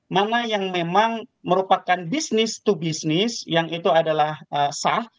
mana yang memang merupakan bisnis to bisnis yang itu adalah sah